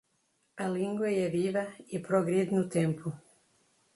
A língua é viva e progride no tempo